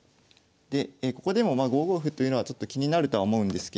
でここでも５五歩というのはちょっと気になるとは思うんですけれども。